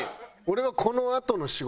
俺はこのあとの仕事。